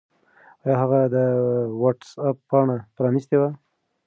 آیا هغه د وټس-اپ پاڼه پرانستې وه؟